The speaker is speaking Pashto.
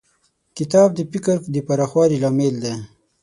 کتاب د فکر د پراخوالي لامل دی.